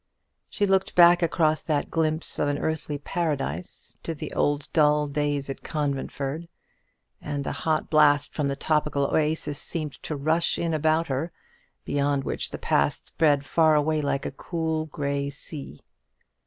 She looked back across that glimpse of an earthly paradise to the old dull days at Conventford; and a hot blast from the tropical oasis seemed to rush in upon her, beyond which the past spread far away like a cool grey sea.